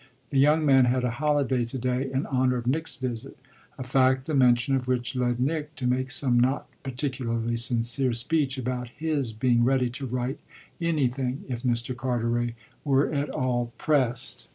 The young man had a holiday to day in honour of Nick's visit a fact the mention of which led Nick to make some not particularly sincere speech about his being ready to write anything if Mr. Carteret were at all pressed.